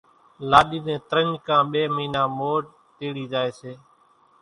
لاڏي نين ترڃ ڪان ٻي مئينا مور تيڙي زائي سي